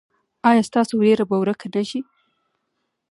ایا ستاسو ویره به ورکه نه شي؟